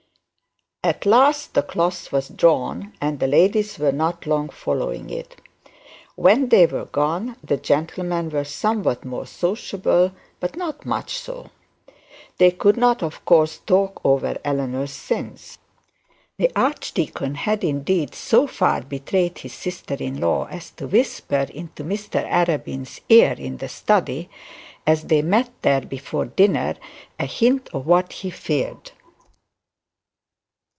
At last the cloth was drawn, and the ladies were not long following it. When they were gone the gentlemen were somewhat more sociable but not much so. They could not of course talk over Eleanor's sins. The archdeacon had indeed so far betrayed his sister in law as to whisper into Mr Arabin's ear in the study, as they met there before dinner, a hint of what he feared.